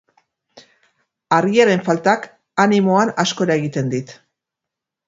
Argiaren faltak animoan asko eragiten dit.